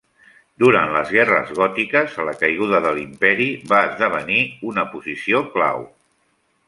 Durant les guerres gòtiques a la caiguda de l'Imperi va esdevenir una posició clau.